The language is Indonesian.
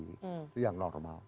itu yang normal